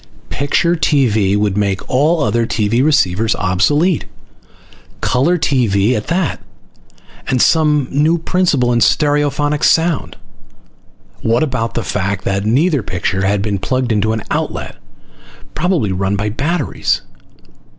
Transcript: Picture TV would make all other TV receivers obsolete! Full color TV at that! And with some new principle in stereophonic sound! What about the fact that neither picture had been plugged into an outlet? Probably run by batteries.